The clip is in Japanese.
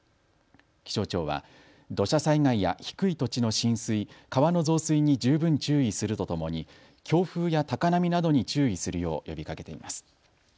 気象庁は土砂災害や低い土地の浸水、川の増水に十分注意するとともに強風や高波などに注意するよう呼びかけています。